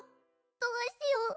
どうしよう。